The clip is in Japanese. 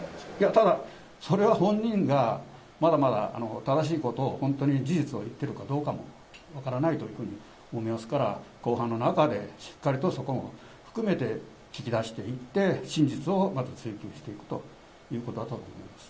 ただ、それは本人がまだまだ正しいことを、本当に事実を言ってるかどうかも分からないというふうに思いますから、公判の中でしっかりとそこを含めて聞きだしていって、真実をまず追及していくということだと思います。